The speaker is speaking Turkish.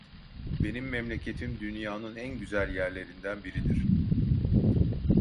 Benim memleketim dünyanın en güzel yerlerinden biridir.